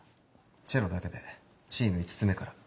チェロだけでＣの５つ目から。